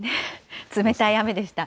冷たい雨でした。